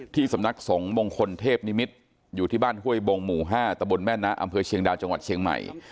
สำนักสงฆ์มงคลเทพนิมิตรอยู่ที่บ้านห้วยบงหมู่๕ตะบนแม่นะอำเภอเชียงดาวจังหวัดเชียงใหม่